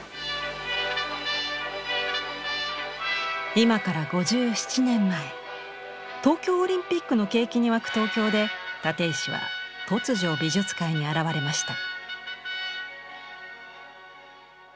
今から５７年前東京オリンピックの景気に沸く東京で立石は突如美術界に現れました。